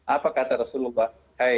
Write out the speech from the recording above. apa kata rasulullah